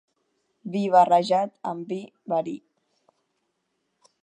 Vi barrejat amb vi, verí.